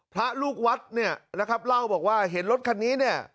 พระลูกวัดเนี่ยนะครับเล่าบอกว่าเห็นรถคันนี้เนี่ย